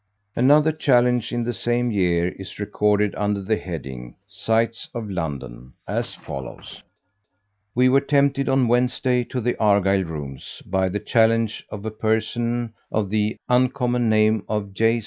Another challenge in the same year is recorded under the heading, "Sights of London," as follows: We were tempted on Wednesday to the Argyle Rooms by the challenge of a person of the uncommon name of J.